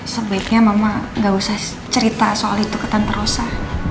sebaiknya mama gak usah cerita soal itu ke tante rosa